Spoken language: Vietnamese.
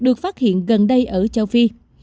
ở châu phi